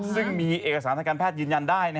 ซึ่งมีเอกสารทางการแพทย์ยืนยันได้